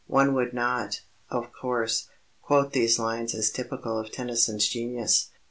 One would not, of course, quote these lines as typical of Tennyson's genius.